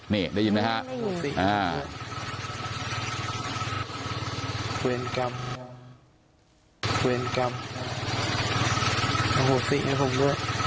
นี่ได้ยินไหมครับ